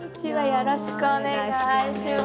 よろしくお願いします。